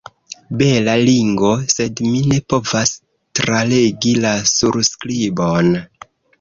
Bela ringo, sed mi ne povas tralegi la surskribon.